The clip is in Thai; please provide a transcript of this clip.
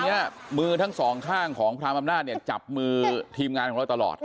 เนี้ยมือทั้งสองข้างของพรามอำนาจเนี่ยจับมือทีมงานของเราตลอด